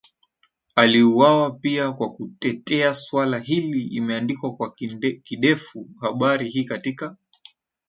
aliuwawa pia kwa kutetea swala hili imeandikwa kwa kidefu habari hii katika